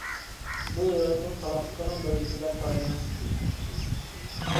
بۇ دۆلەتنىڭ قالاقلىقىنىڭ بەلگىسى دەپ قارايمەن.